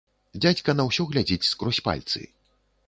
Дзядзька на ўсё глядзіць скрозь пальцы.